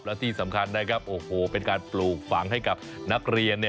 และที่สำคัญนะครับโอ้โหเป็นการปลูกฝังให้กับนักเรียน